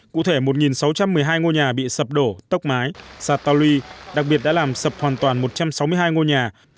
cụ thể một sáu trăm một mươi hai ngôi nhà bị sập đổ tốc mái sạt tàu ly đặc biệt đã làm sập hoàn toàn một trăm sáu mươi hai ngôi nhà